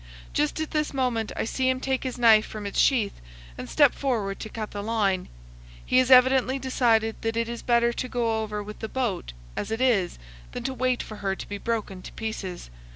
Just at this moment I see him take his knife from its sheath and step forward to cut the line. He has evidently decided that it is better to go over with the boat as it is than to wait for her to be broken to pieces.